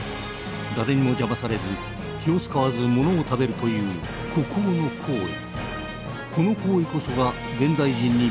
誰にも邪魔されず気を遣わずものを食べるという孤高の行為。